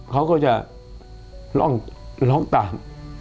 เขาก็จะร้องตาม